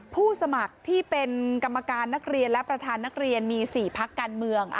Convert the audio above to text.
ผู้สมัครที่เป็นกรรมการนักเรียนและประธานนักเรียนมี๔พักการเมือง